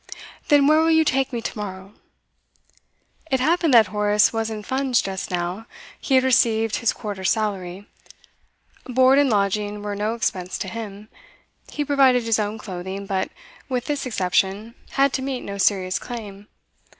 'Then where will you take me to morrow?' It happened that Horace was in funds just now; he had received his quarter's salary. Board and lodging were no expense to him; he provided his own clothing, but, with this exception, had to meet no serious claim.